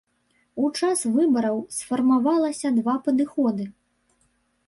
У час выбараў сфармавалася два падыходы.